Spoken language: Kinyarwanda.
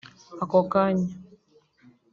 Ako kanya